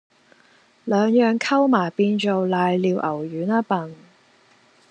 兩樣溝埋變做攋尿牛丸吖笨